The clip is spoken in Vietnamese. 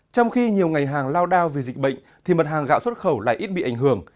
trong khi nhiều ngày hàng lao đao vì dịch bệnh thì mật hàng gạo xuất khẩu lại ít bị ảnh hưởng